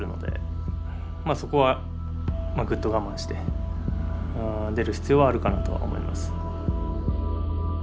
そこはぐっと我慢して出る必要はあるかなとは思います。